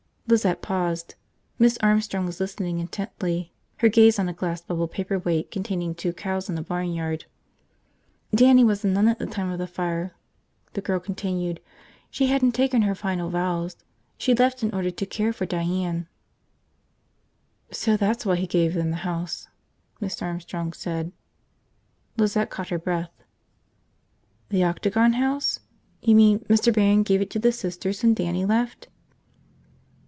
Lizette paused. Miss Armstrong was listening intently, her gaze on a glass bubble paperweight containing two cows in a barnyard. "Dannie was a nun at the time of the fire," the girl continued. "She hadn't taken her final vows. She left in order to care for Diane." "So that's why he gave them the house," Miss Armstrong said. Lizette caught her breath. "The Octagon House? You mean Mr. Barron gave it to the Sisters when Dannie left?"